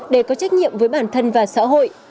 để có trách nhiệm với bản thân và xã hội